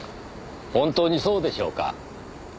本当にそうでしょうか？